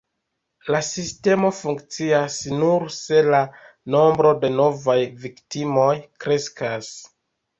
La sistemo funkcias nur se la nombro de novaj viktimoj kreskas.